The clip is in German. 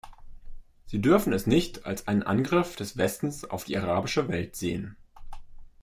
Sie dürfen es nicht als einen Angriff des Westens auf die arabische Welt sehen.